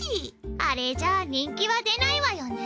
あれじゃあ人気は出ないわよね。